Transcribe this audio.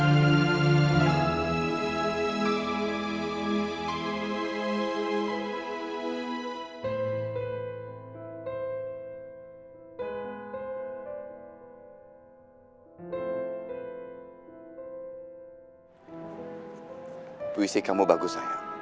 pu integrasi kamu bagus